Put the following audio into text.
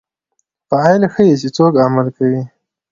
فاعل ښيي، چي څوک عمل کوي.